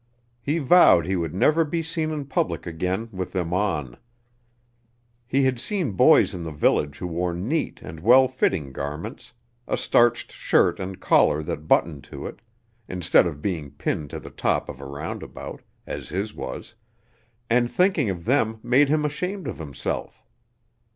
He vowed he would never be seen in public again with them on. He had seen boys in the village who wore neat and well fitting garments, a starched shirt and collar that buttoned to it, instead of being pinned to the top of a roundabout, as his was, and thinking of them made him ashamed of himself.